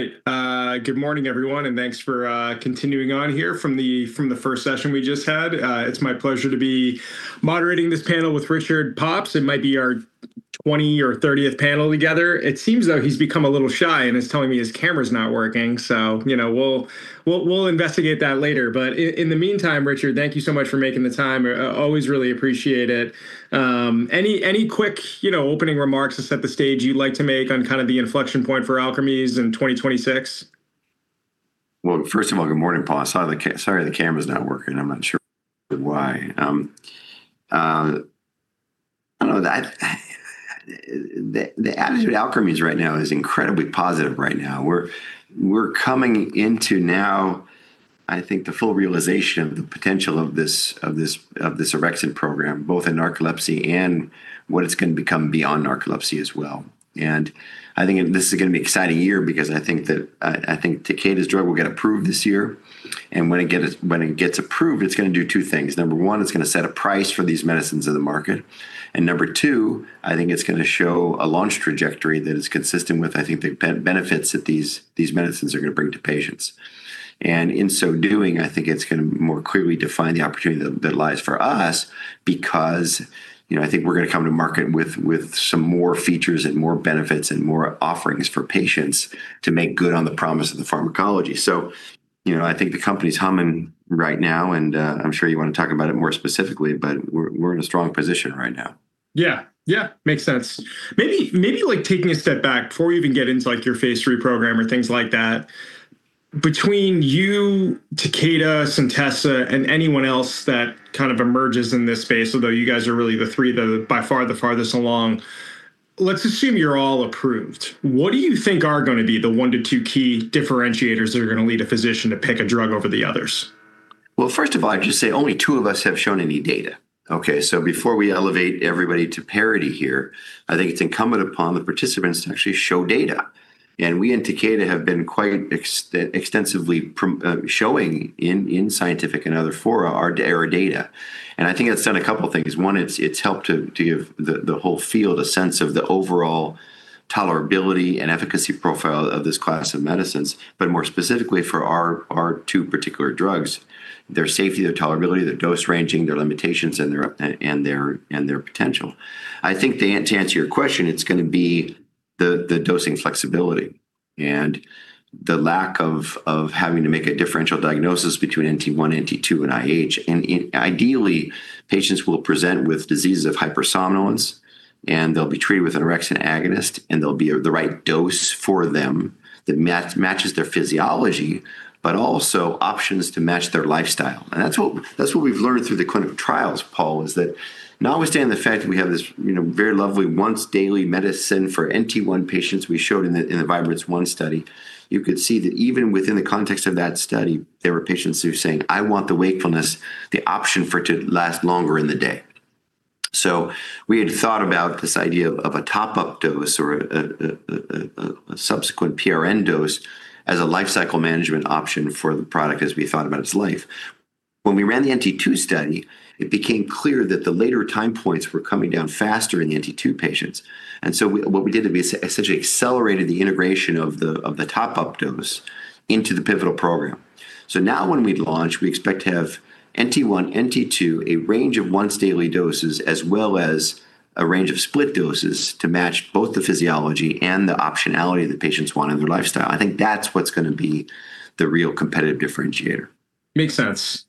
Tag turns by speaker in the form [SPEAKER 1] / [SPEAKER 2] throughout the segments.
[SPEAKER 1] All right. Good morning, everyone, and thanks for continuing on here from the first session we just had. It's my pleasure to be moderating this panel with Richard Pops. It might be our 20th or 30th panel together. It seems though he's become a little shy and is telling me his camera's not working. So, you know, we'll investigate that later. But in the meantime, Richard, thank you so much for making the time. Always really appreciate it. Any quick, you know, opening remarks to set the stage you'd like to make on kind of the inflection point for Alkermes in 2026?
[SPEAKER 2] Well, first of all, good morning, Paul. Sorry the camera's not working. I'm not sure why. I know that the attitude at Alkermes right now is incredibly positive right now. We're coming into now, I think the full realization of the potential of this orexin program, both in narcolepsy and what it's going to become beyond narcolepsy as well. I think this is gonna be an exciting year because I think that Takeda's drug will get approved this year. When it gets approved, it's gonna do two things. Number one, it's gonna set a price for these medicines in the market. Number two, I think it's gonna show a launch trajectory that is consistent with, I think, the benefits that these medicines are gonna bring to patients. In so doing, I think it's gonna more clearly define the opportunity that lies for us because, you know, I think we're gonna come to market with some more features and more benefits and more offerings for patients to make good on the promise of the pharmacology. You know, I think the company's humming right now, and I'm sure you want to talk about it more specifically, but we're in a strong position right now.
[SPEAKER 1] Yeah. Makes sense. Maybe like taking a step back before we even get into like your phase III program or things like that. Between you, Takeda, Centessa, and anyone else that kind of emerges in this space, although you guys are really the three that are by far the farthest along, let's assume you're all approved. What do you think are gonna be the 1-2 key differentiators that are gonna lead a physician to pick a drug over the others?
[SPEAKER 2] Well, first of all, I'll just say only two of us have shown any data, okay? Before we elevate everybody to parity here, I think it's incumbent upon the participants to actually show data. We and Takeda have been quite extensively showing in scientific and other for our data. I think it's done a couple of things. One, it's helped to give the whole field a sense of the overall tolerability and efficacy profile of this class of medicines, but more specifically for our two particular drugs, their safety, their tolerability, their dose ranging, their limitations, and their potential. I think the answer to your question, it's gonna be the dosing flexibility and the lack of having to make a differential diagnosis between NT1, NT2, and IH. Ideally, patients will present with diseases of hypersomnolence, and they'll be treated with an orexin agonist, and they'll be the right dose for them that matches their physiology, but also options to match their lifestyle. That's what we've learned through the clinical trials, Paul, is that notwithstanding the fact that we have this, you know, very lovely once-daily medicine for NT1 patients we showed in the Vibrance-1 study, you could see that even within the context of that study, there were patients who were saying, "I want the wakefulness, the option for it to last longer in the day." We had thought about this idea of a top-up dose or a subsequent PRN dose as a lifecycle management option for the product as we thought about its life. When we ran the NT2 study, it became clear that the later time points were coming down faster in the NT2 patients. What we did is we essentially accelerated the integration of the top-up dose into the pivotal program. Now when we launch, we expect to have NT1, NT2, a range of once daily doses, as well as a range of split doses to match both the physiology and the optionality that patients want in their lifestyle. I think that's what's gonna be the real competitive differentiator.
[SPEAKER 1] Makes sense.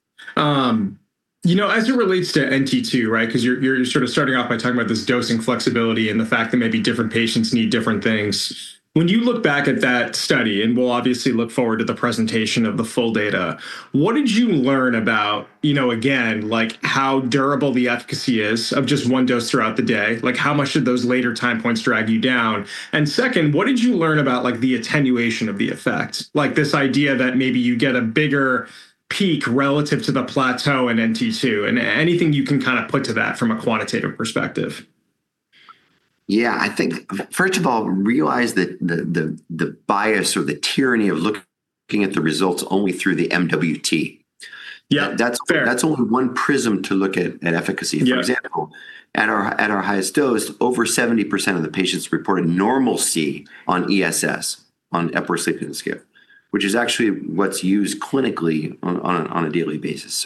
[SPEAKER 1] You know, as it relates to NT2, right? 'Cause you're sort of starting off by talking about this dosing flexibility and the fact that maybe different patients need different things. When you look back at that study, and we'll obviously look forward to the presentation of the full data, what did you learn about, you know, again, like how durable the efficacy is of just one dose throughout the day? Like, how much did those later time points drag you down? And second, what did you learn about like the attenuation of the effect? Like this idea that maybe you get a bigger peak relative to the plateau in NT2, and anything you can kind of put to that from a quantitative perspective.
[SPEAKER 2] Yeah. I think, first of all, realize that the bias or the tyranny of looking at the results only through the MWT.
[SPEAKER 1] Yeah, fair.
[SPEAKER 2] That's only one prism to look at efficacy. For example, at our highest dose, over 70% of the patients reported normalcy on ESS, on Epworth Sleepiness Scale, which is actually what's used clinically on a daily basis.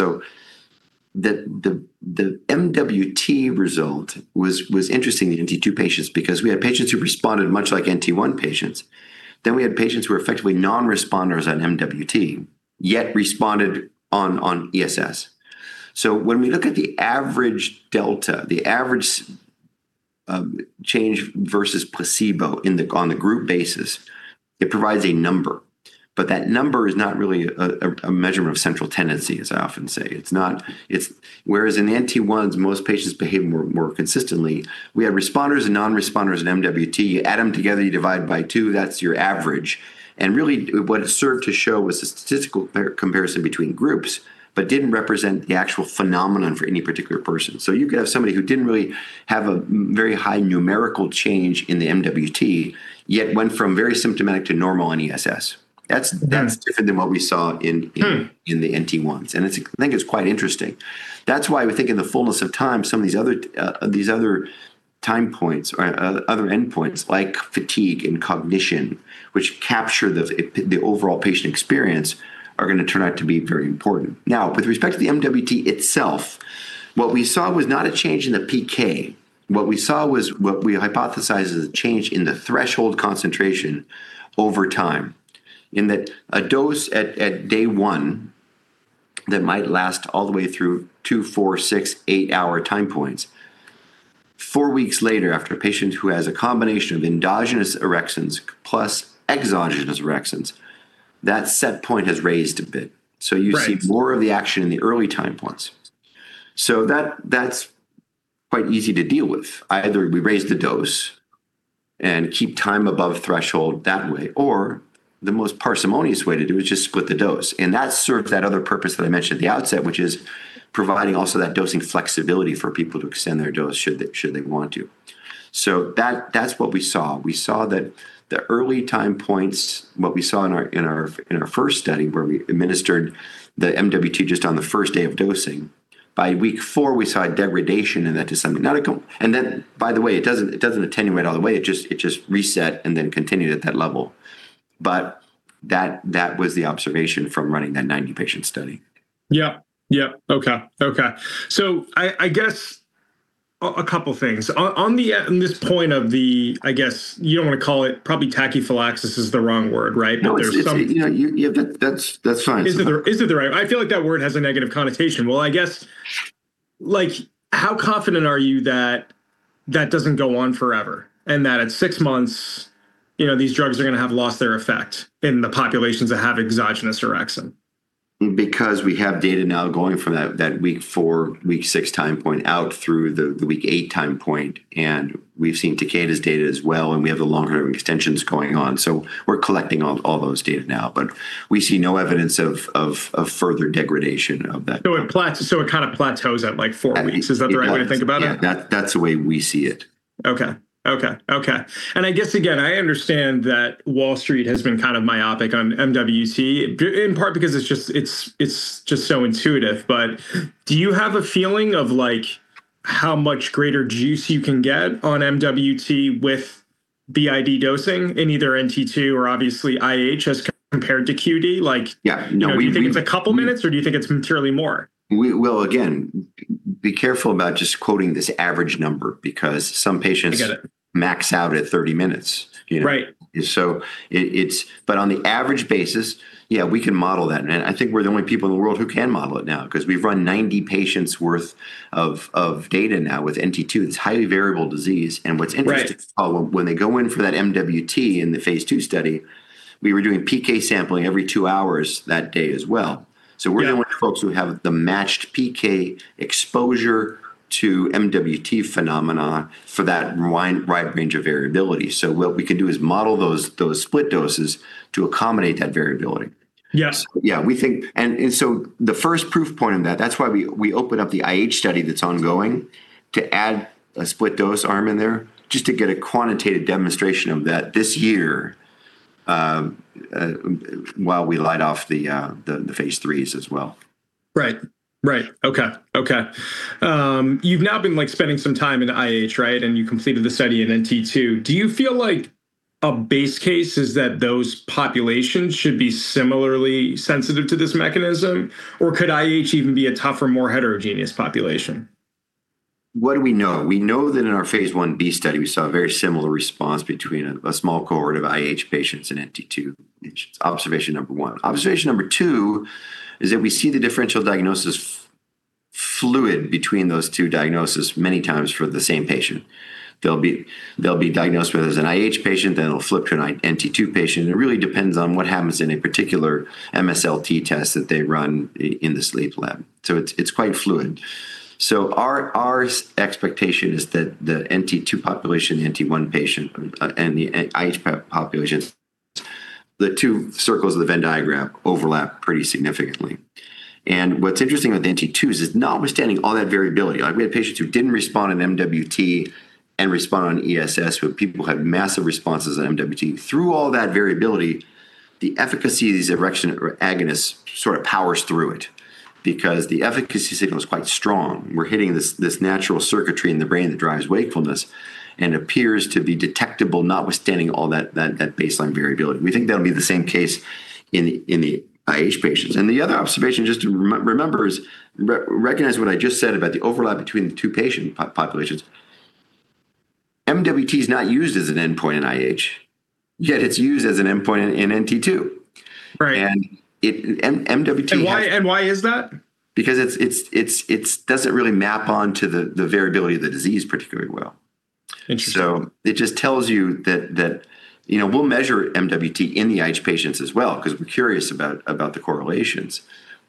[SPEAKER 2] The MWT result was interesting in NT2 patients because we had patients who responded much like NT1 patients. We had patients who were effectively non-responders on MWT, yet responded on ESS. When we look at the average delta, the average change versus placebo on the group basis, it provides a number, but that number is not really a measurement of central tendency, as I often say. It's whereas in NT1's, most patients behave more consistently. We have responders and non-responders in MWT. You add them together, you divide by two, that's your average. Really what it served to show was the statistical comparison between groups, but didn't represent the actual phenomenon for any particular person. You could have somebody who didn't really have a very high numerical change in the MWT, yet went from very symptomatic to normal in ESS. That's different than what we saw in the NT1. It's, I think, quite interesting. That's why we think in the fullness of time, some of these other time points or other end points like fatigue and cognition, which capture the overall patient experience, are going to turn out to be very important. Now, with respect to the MWT itself, what we saw was not a change in the PK. What we saw was what we hypothesized as a change in the threshold concentration over time. In that a dose at day one that might last all the way through 2, 4, 6, 8-hour time points, four weeks later, after a patient who has a combination of endogenous orexin plus exogenous orexin, that set point has raised a bit.
[SPEAKER 1] Right.
[SPEAKER 2] You see more of the action in the early time points. That, that's quite easy to deal with. Either we raise the dose and keep time above threshold that way, or the most parsimonious way to do it is just split the dose. That serves that other purpose that I mentioned at the outset, which is providing also that dosing flexibility for people to extend their dose should they want to. That's what we saw. We saw that the early time points, what we saw in our first study where we administered the MWT just on the first day of dosing, by week four, we saw a degradation in that dose-MWT signal. Then by the way, it doesn't attenuate all the way. It just reset and then continued at that level. That was the observation from running that 90-patient study.
[SPEAKER 1] Yeah. Okay. I guess a couple things. On this point of the, I guess you don't want to call it, probably tachyphylaxis is the wrong word, right? But there's some-
[SPEAKER 2] No, it's. Yeah, you, yeah. That's fine.
[SPEAKER 1] Is it the right? I feel like that word has a negative connotation. Well, I guess, like, how confident are you that that doesn't go on forever, and that at six months, you know, these drugs are gonna have lost their effect in the populations that have exogenous orexin?
[SPEAKER 2] Because we have data now going from that week four, week six time point out through the week eight time point, and we've seen Takeda's data as well, and we have the longer extensions going on. We're collecting all those data now. We see no evidence of further degradation of that.
[SPEAKER 1] It kinda plateaus at, like, four weeks.
[SPEAKER 2] It does.
[SPEAKER 1] Is that the right way to think about it?
[SPEAKER 2] Yeah. That's the way we see it.
[SPEAKER 1] Okay. I guess, again, I understand that Wall Street has been kind of myopic on MWT in part because it's just so intuitive. Do you have a feeling of, like, how much greater juice you can get on MWT with BID dosing in either NT2 or obviously IH as compared to QD? Do you think it's a couple minutes, or do you think it's materially more?
[SPEAKER 2] Well, again, be careful about just quoting this average number because some patients.
[SPEAKER 1] I get it.
[SPEAKER 2] Max out at 30 minutes, you know?
[SPEAKER 1] Right.
[SPEAKER 2] On the average basis, yeah, we can model that, and I think we're the only people in the world who can model it now because we've run 90 patients' worth of data now with NT2. It's highly variable disease.
[SPEAKER 1] Right.
[SPEAKER 2] What's interesting to follow, when they go in for that MWT in the phase II study, we were doing PK sampling every two hours that day as well.
[SPEAKER 1] Yeah.
[SPEAKER 2] We're the only folks who have the matched PK exposure to MWT phenomena for that wide range of variability. What we can do is model those split doses to accommodate that variability.
[SPEAKER 1] Yes.
[SPEAKER 2] The first proof point in that. That's why we opened up the IH study that's ongoing to add a split dose arm in there just to get a quantitative demonstration of that this year, while we light off the phase III as well.
[SPEAKER 1] Right. Okay. You've now been, like, spending some time in IH, right? You completed the study in NT2. Do you feel like a base case is that those populations should be similarly sensitive to this mechanism, or could IH even be a tougher, more heterogeneous population?
[SPEAKER 2] What do we know? We know that in our phase I-B study, we saw a very similar response between a small cohort of IH patients and NT2 patients. Observation number one. Observation number two is that we see the differential diagnosis fluid between those two diagnoses many times for the same patient. They'll be diagnosed whether it's an IH patient, then it'll flip to an NT2 patient. It really depends on what happens in a particular MSLT test that they run in the sleep lab. It's quite fluid. Our expectation is that the NT2 population, the NT1 patient, and the IH populations, the 2 circles of the Venn diagram overlap pretty significantly. What's interesting with NT2 is notwithstanding all that variability, like we had patients who didn't respond on MWT and respond on ESS, but people who had massive responses on MWT. Through all that variability, the efficacy of these orexin agonists sort of powers through it because the efficacy signal is quite strong. We're hitting this natural circuitry in the brain that drives wakefulness and appears to be detectable notwithstanding all that baseline variability. We think that'll be the same case in the IH patients. The other observation, just to remember, is recognize what I just said about the overlap between the two patient populations. MWT is not used as an endpoint in IH, yet it's used as an endpoint in NT2.
[SPEAKER 1] Right. And, why is that?
[SPEAKER 2] Because it doesn't really map on to the variability of the disease particularly well.
[SPEAKER 1] Interesting.
[SPEAKER 2] It just tells you that, you know, we'll measure MWT in the IH patients as well because we're curious about the correlations.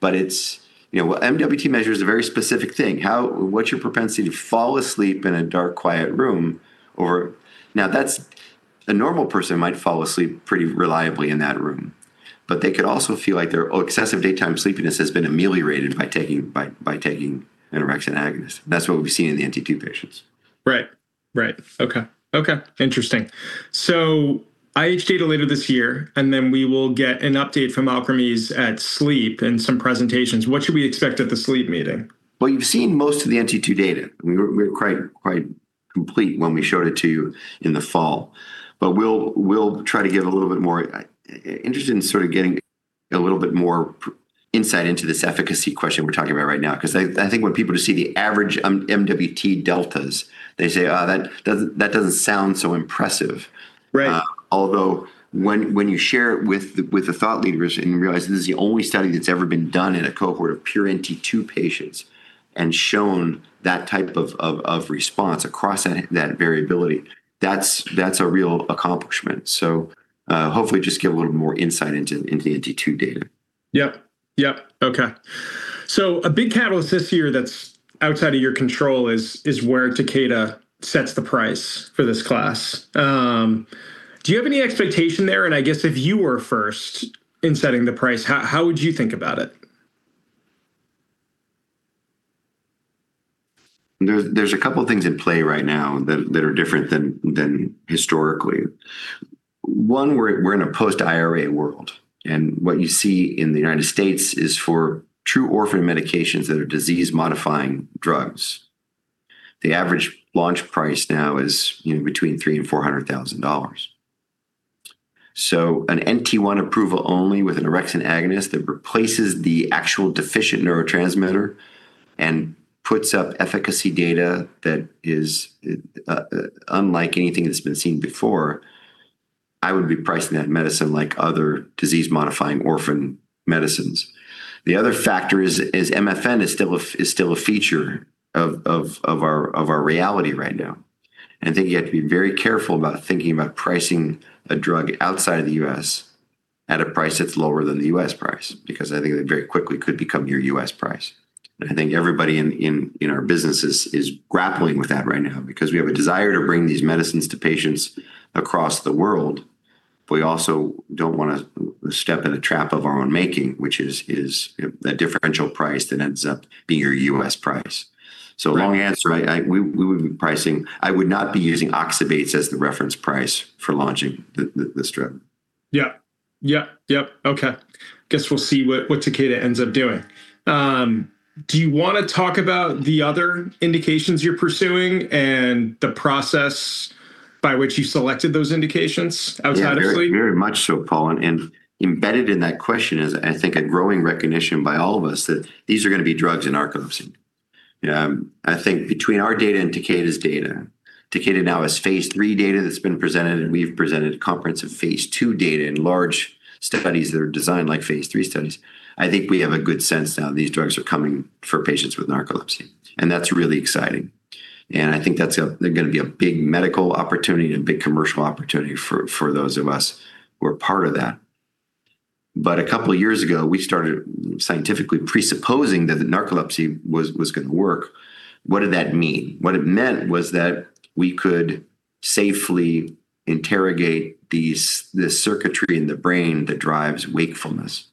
[SPEAKER 2] It's, you know, MWT measures a very specific thing. What's your propensity to fall asleep in a dark, quiet room? A normal person might fall asleep pretty reliably in that room, but they could also feel like their excessive daytime sleepiness has been ameliorated by taking an orexin agonist. That's what we've seen in the NT2 patients.
[SPEAKER 1] Right. Okay. Interesting. IH later this year, and then we will get an update from Alkermes at SLEEP and some presentations. What should we expect at the SLEEP meeting?
[SPEAKER 2] Well, you've seen most of the NT2 data. We were quite complete when we showed it to you in the fall. We'll try to give a little bit more insight into this efficacy question we're talking about right now. 'Cause I think when people just see the average MWT deltas, they say, "Oh, that doesn't sound so impressive.
[SPEAKER 1] Right.
[SPEAKER 2] Although when you share it with the thought leaders and you realize this is the only study that's ever been done in a cohort of pure NT2 patients and shown that type of response across that variability, that's a real accomplishment. Hopefully just get a little more insight into the NT2 data.
[SPEAKER 1] Yep. Okay. A big catalyst this year that's outside of your control is where Takeda sets the price for this class. Do you have any expectation there? I guess if you were first in setting the price, how would you think about it?
[SPEAKER 2] There's a couple things in play right now that are different than historically. One, we're in a post-IRA world, and what you see in the United States is for true orphan medications that are disease modifying drugs, the average launch price now is between $300,000-$400,000. So an NT1 approval only with an orexin agonist that replaces the actual deficient neurotransmitter and puts up efficacy data that is unlike anything that's been seen before, I would be pricing that medicine like other disease modifying orphan medicines. The other factor is MFN is still a feature of our reality right now. I think you have to be very careful about thinking about pricing a drug outside of the U.S. at a price that's lower than the U.S. price, because I think that very quickly could become your U.S. price. I think everybody in our business is grappling with that right now because we have a desire to bring these medicines to patients across the world, but we also don't want to step in a trap of our own making, which is, you know, that differential price that ends up being your U.S. price. Long answer, we would be pricing. I would not be using oxybates as the reference price for launching this drug.
[SPEAKER 1] Yep. Okay. Guess we'll see what Takeda ends up doing. Do you wanna talk about the other indications you're pursuing and the process by which you selected those indications outside of sleep?
[SPEAKER 2] Yeah. Very much so, Paul. Embedded in that question is I think a growing recognition by all of us that these are gonna be drugs in our company. I think between our data and Takeda's data, Takeda now has phase III data that's been presented, and we've presented comprehensive phase II data in large studies that are designed like phase III studies. I think we have a good sense now these drugs are coming for patients with narcolepsy, and that's really exciting. I think they're gonna be a big medical opportunity and a big commercial opportunity for those of us who are part of that. A couple years ago, we started scientifically presupposing that the narcolepsy was gonna work. What did that mean? What it meant was that we could safely interrogate these, the circuitry in the brain that drives wakefulness.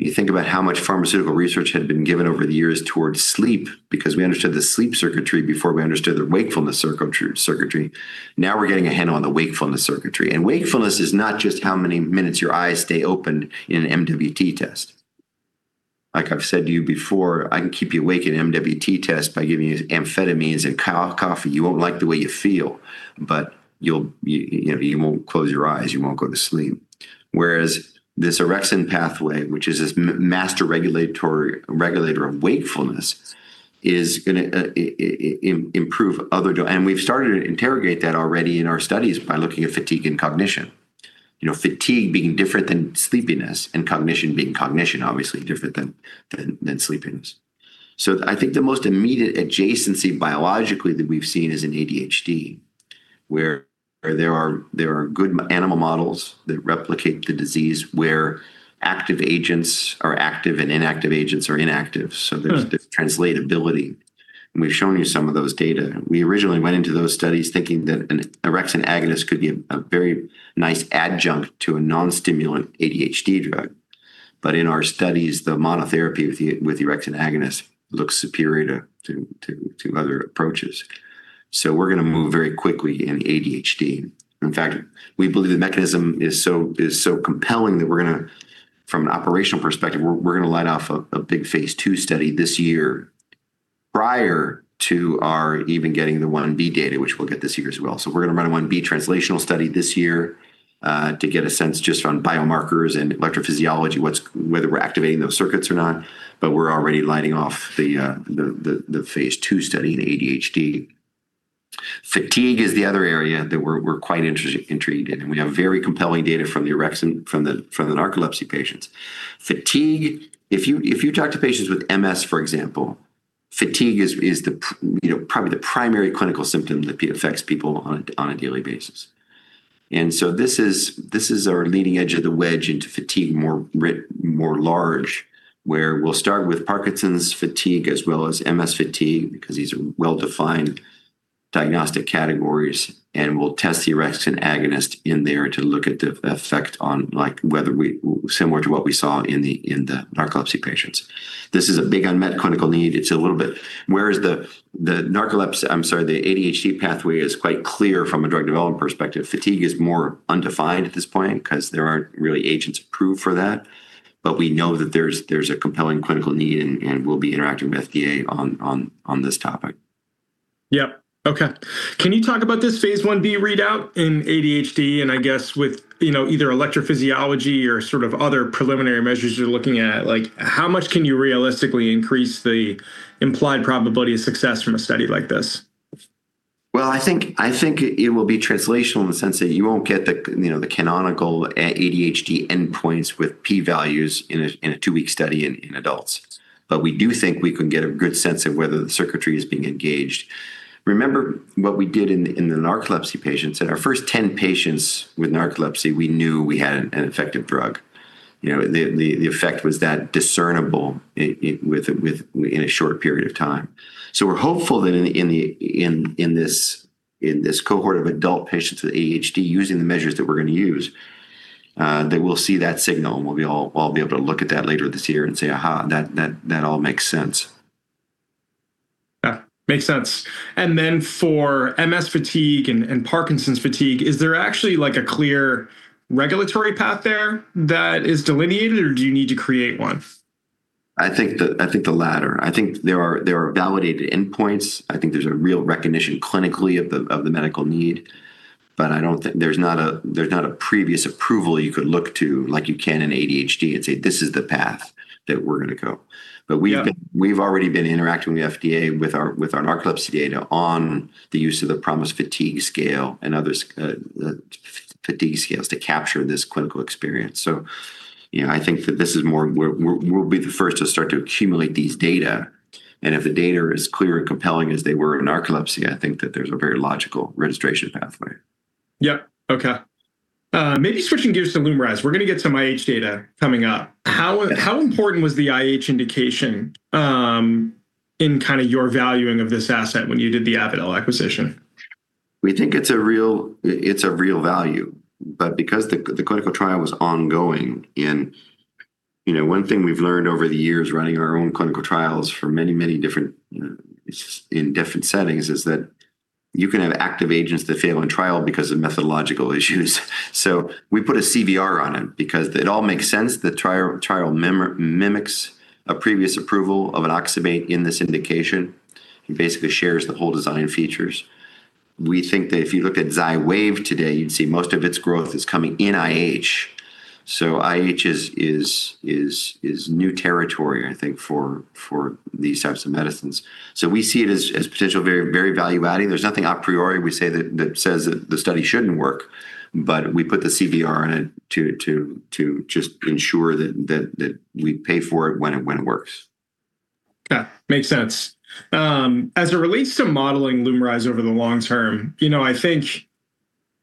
[SPEAKER 2] You think about how much pharmaceutical research had been given over the years towards sleep because we understood the sleep circuitry before we understood the wakefulness circuitry. Now we're getting a handle on the wakefulness circuitry, and wakefulness is not just how many minutes your eyes stay open in an MWT test. Like I've said to you before, I can keep you awake in an MWT test by giving you amphetamines and coffee. You won't like the way you feel, but you'll, you know, you won't close your eyes, you won't go to sleep. Whereas this orexin pathway, which is this master regulator of wakefulness, is gonna improve other domains. We've started to interrogate that already in our studies by looking at fatigue and cognition. You know, fatigue being different than sleepiness and cognition being cognition, obviously different than sleepiness. I think the most immediate adjacency biologically that we've seen is in ADHD, where there are good animal models that replicate the disease where active agents are active and inactive agents are inactive. There's this translatability, and we've shown you some of those data. We originally went into those studies thinking that an orexin agonist could be a very nice adjunct to a non-stimulant ADHD drug. In our studies, the monotherapy with the orexin agonist looks superior to other approaches. We're gonna move very quickly in ADHD. In fact, we believe the mechanism is so compelling that we're gonna, from an operational perspective, we're gonna light off a big phase II study this year prior to our even getting the I-B data, which we'll get this year as well. We're gonna run a I-B translational study this year to get a sense just on biomarkers and electrophysiology, whether we're activating those circuits or not, but we're already lighting off the phase II study in ADHD. Fatigue is the other area that we're quite intrigued in, and we have very compelling data from the orexin from the narcolepsy patients. Fatigue, if you talk to patients with MS, for example, fatigue is you know probably the primary clinical symptom that affects people on a daily basis. This is our leading edge of the wedge into fatigue more writ large, where we'll start with Parkinson's fatigue as well as MS fatigue because these are well-defined diagnostic categories, and we'll test the orexin agonist in there to look at the effect on like whether we similar to what we saw in the narcolepsy patients. This is a big unmet clinical need. It's a little bit. Whereas the narcolepsy, I'm sorry, the ADHD pathway is quite clear from a drug development perspective, fatigue is more undefined at this point 'cause there aren't really agents approved for that. We know that there's a compelling clinical need and we'll be interacting with FDA on this topic.
[SPEAKER 1] Yep. Okay. Can you talk about this phase I-B readout in ADHD and I guess with, you know, either electrophysiology or sort of other preliminary measures you're looking at, like how much can you realistically increase the implied probability of success from a study like this?
[SPEAKER 2] Well, I think it will be translational in the sense that you won't get the, you know, the canonical ADHD endpoints with p-values in a two-week study in adults. We do think we can get a good sense of whether the circuitry is being engaged. Remember what we did in the narcolepsy patients. In our first 10 patients with narcolepsy, we knew we had an effective drug. You know, the effect was discernible in a short period of time. We're hopeful that in this cohort of adult patients with ADHD, using the measures that we're gonna use, that we'll see that signal, and I'll be able to look at that later this year and say, "Aha, that all makes sense."
[SPEAKER 1] Yeah. Makes sense. Then for MS fatigue and Parkinson's fatigue, is there actually like a clear regulatory path there that is delineated, or do you need to create one?
[SPEAKER 2] I think the latter. I think there are validated endpoints. I think there's a real recognition clinically of the medical need. I don't think there's not a previous approval you could look to like you can in ADHD and say, "This is the path that we're gonna go."
[SPEAKER 1] Yeah.
[SPEAKER 2] We've already been interacting with FDA with our narcolepsy data on the use of the PROMIS-Fatigue scale and other fatigue scales to capture this clinical experience. You know, I think that this is more, we'll be the first to start to accumulate these data, and if the data is clear and compelling as they were in narcolepsy, I think that there's a very logical registration pathway.
[SPEAKER 1] Yep. Okay. Maybe switching gears to LUMRYZ. We're gonna get some IH data coming up. How important was the IH indication in kinda your valuing of this asset when you did the Avadel acquisition?
[SPEAKER 2] We think it's a real value. Because the clinical trial was ongoing and, you know, one thing we've learned over the years running our own clinical trials for many different, you know, in different settings is that you can have active agents that fail in trial because of methodological issues. We put a CVR on it because it all makes sense. The trial mimics a previous approval of an oxybate in this indication. It basically shares the whole design features. We think that if you looked at Xywav today, you'd see most of its growth is coming in IH. IH is new territory, I think, for these types of medicines. We see it as potential very, very value-adding. There's nothing a priori we say that says that the study shouldn't work. We put the CVR on it to just ensure that we pay for it when it works.
[SPEAKER 1] Yeah. Makes sense. As it relates to modeling LUMRYZ over the long term, you know, I think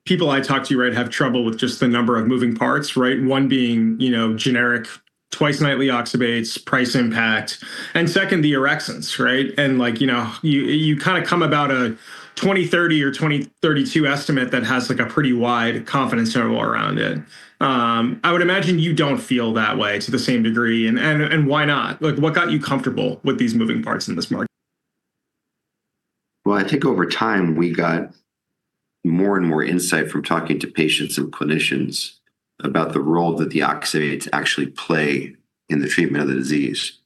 [SPEAKER 1] people I talk to, right, have trouble with just the number of moving parts, right? One being, you know, generic twice-nightly oxybates, price impact, and second, the orexins, right? Like, you know, you kinda come about a 2030 or 2032 estimate that has like a pretty wide confidence interval around it. I would imagine you don't feel that way to the same degree and why not? Like, what got you comfortable with these moving parts in this market?
[SPEAKER 2] Well, I think over time, we got more and more insight from talking to patients and clinicians about the role that the oxybates actually play in the treatment of the disease.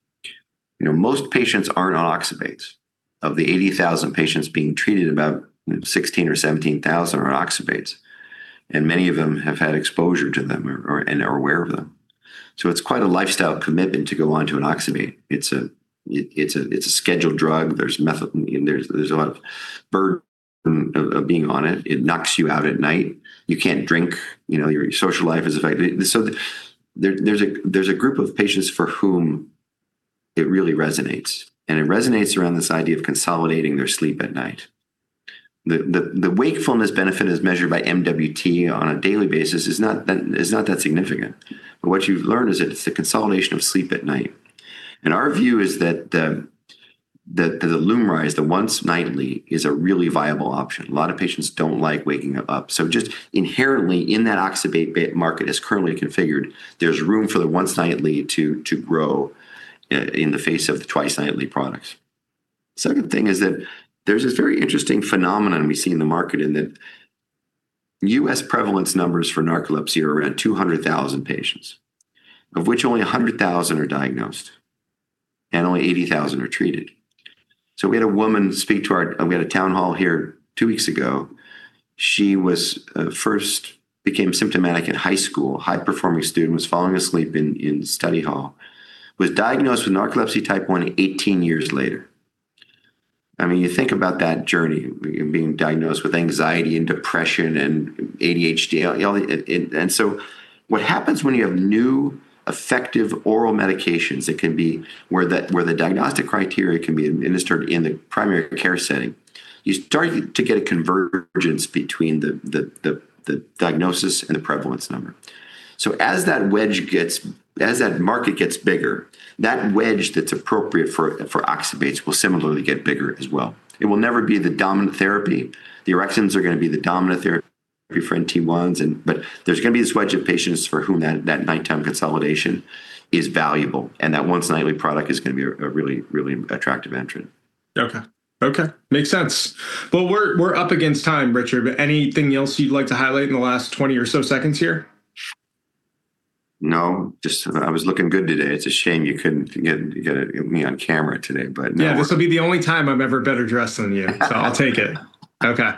[SPEAKER 2] You know, most patients are on oxybates. Of the 80,000 patients being treated, about 16,000 or 17,000 are on oxybates, and many of them have had exposure to them or and are aware of them. It's quite a lifestyle commitment to go onto an oxybate. It's a scheduled drug. There's a lot of burden of being on it. It knocks you out at night. You can't drink. You know, your social life is affected. There's a group of patients for whom it really resonates, and it resonates around this idea of consolidating their sleep at night. The wakefulness benefit as measured by MWT on a daily basis is not that significant. What you've learned is that it's the consolidation of sleep at night. Our view is that the LUMRYZ, the once nightly, is a really viable option. A lot of patients don't like waking up. Just inherently in that oxybate market as currently configured, there's room for the once nightly to grow in the face of the twice nightly products. Second thing is that there's this very interesting phenomenon we see in the market in that U.S. prevalence numbers for narcolepsy are around 200,000 patients, of which only 100,000 are diagnosed and only 80,000 are treated. We had a town hall here two weeks ago. She first became symptomatic in high school, high-performing student, was falling asleep in study hall, was diagnosed with narcolepsy type 1 18 years later. I mean, you think about that journey, being diagnosed with anxiety and depression and ADHD. What happens when you have new, effective oral medications that can be where the diagnostic criteria can be administered in the primary care setting, you start to get a convergence between the diagnosis and the prevalence number. As that market gets bigger, that wedge that's appropriate for oxybates will similarly get bigger as well. It will never be the dominant therapy. The orexins are gonna be the dominant therapy for NT1s, but there's gonna be this wedge of patients for whom that nighttime consolidation is valuable, and that once nightly product is gonna be a really attractive entrant.
[SPEAKER 1] Okay. Makes sense. Well, we're up against time, Richard, but anything else you'd like to highlight in the last 20 or so seconds here?
[SPEAKER 2] No, just I was looking good today. It's a shame you couldn't get me on camera today, but no-
[SPEAKER 1] Yeah, this will be the only time I'm ever better dressed than you, so I'll take it. Okay.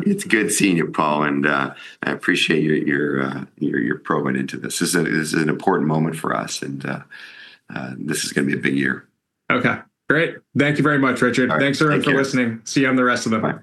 [SPEAKER 2] It's good seeing you, Paul, and I appreciate your probing into this. This is an important moment for us and this is gonna be a big year.
[SPEAKER 1] Okay, great. Thank you very much, Richard.
[SPEAKER 2] All right. Thank you.
[SPEAKER 1] Thanks everyone for listening. See you on the rest of the month.